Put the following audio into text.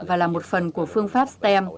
và là một phần của phương pháp stem